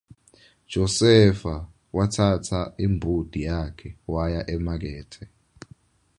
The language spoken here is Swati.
Josefa watsatsa imbuti yakhe waya emakethe.